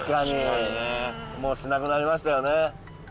もうしなくなりましたよね